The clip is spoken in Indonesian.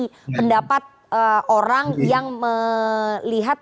jadi pendapat orang yang melihat